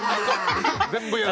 全部やだ？